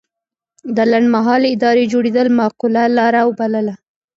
د لنډمهالې ادارې جوړېدل معقوله لاره وبلله.